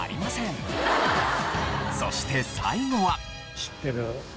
そして最後は。